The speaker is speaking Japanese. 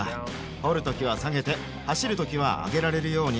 掘るときは下げて走るときは上げられるように。